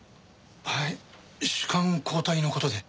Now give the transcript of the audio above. はい主幹交代の事で。